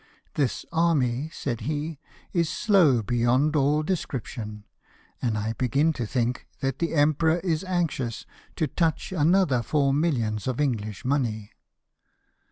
" This army," said he, " is slow beyond all description ; and I begin to think that the Emperor is anxious to touch another four millions of English money.